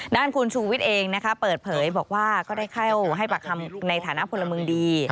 ด้านคุณชูวิทย์เองนะคะเปิดเผยบอกว่าก็ได้เข้าให้ปากคำในฐานะพลเมืองดี